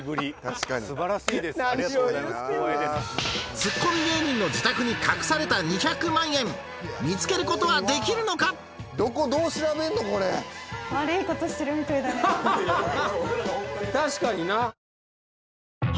ツッコミ芸人の自宅に隠された２００万円見つける事はできるのかハハハハ。